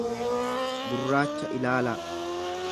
gurraacha ilaalaa.